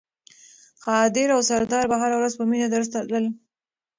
قادر او سردار به هره ورځ په مینه درس ته تلل.